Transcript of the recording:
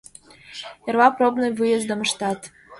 Эрла пробный выездым ыштат.